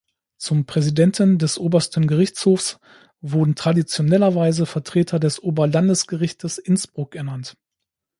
Zum Präsidenten des Obersten Gerichtshofs wurden traditionellerweise Vertreter des Oberlandesgerichtes Innsbruck ernannt.